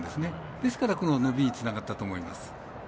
ですから伸びにつながったと思います。